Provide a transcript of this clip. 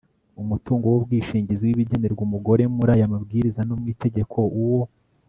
Umutungo w ubwishingizi w ibigenerwa umugore muri aya Mabwiriza no mu Itegeko Uwo